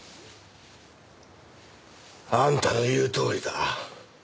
あんたの言うとおりだ。